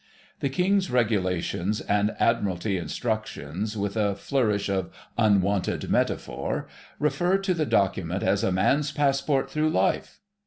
The King's Regulations and Admiralty Instructions, with a flourish of unwonted metaphor, refer to the document as "a man's passport through life."